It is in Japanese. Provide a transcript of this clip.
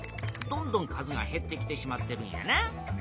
どんどん数がへってきてしまってるんやな。